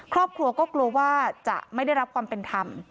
ครอบครัวก็กลัวว่าจะไม่ได้รับความเป็นธรรม